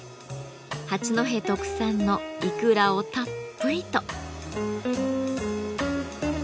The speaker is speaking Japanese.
八戸特産のいくらをたっぷりと。